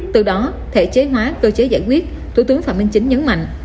từ đó thể chế hóa cơ chế giải quyết thủ tướng phạm minh chính nhấn mạnh